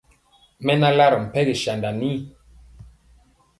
Mɛ na larɔ mpɛgi sanda nii.